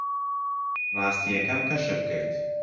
ڕاستییەکەم کەشف کرد.